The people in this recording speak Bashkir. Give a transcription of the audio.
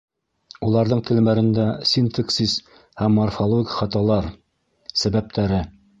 Уларҙың телмәрендә синтаксис һәм морфологик хаталар, сәбәптәре.